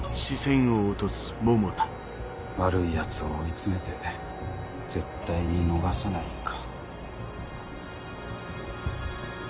「悪いヤツを追い詰めて絶対に逃さない」か。